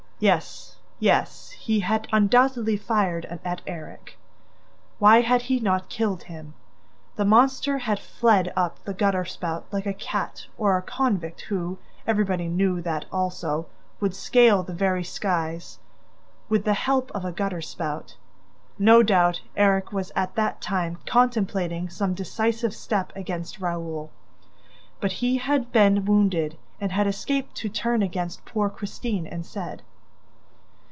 ... Yes, yes, he had undoubtedly fired at Erik. Why had he not killed him? The monster had fled up the gutter spout like a cat or a convict who everybody knew that also would scale the very skies, with the help of a gutter spout ... No doubt Erik was at that time contemplating some decisive step against Raoul, but he had been wounded and had escaped to turn against poor Christine instead.